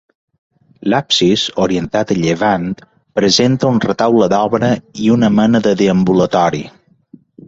L'absis, orientat a llevant, presenta un retaule d'obra i una mena de deambulatori.